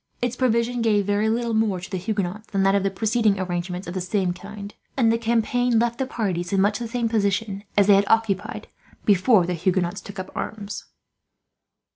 Its provisions gave very little more to the Huguenots than that of the preceding arrangement of the same kind, and the campaign left the parties in much the same position as they had occupied before the Huguenots took up arms.